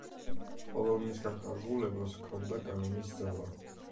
ყოველ მის განკარგულებას ჰქონდა კანონის ძალა.